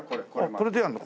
これでやるの？